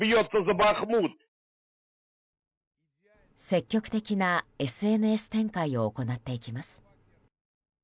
積極的なＳＮＳ展開を行っていきます。